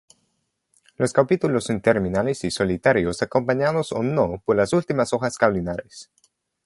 Los capítulos son terminales y solitarios acompañados o no por las últimas hojas caulinares.